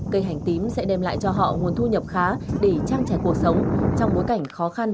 cây hành tím sẽ đem lại cho họ nguồn thu nhập khá để trang trẻ cuộc sống trong bối cảnh khó khăn vì dịch bệnh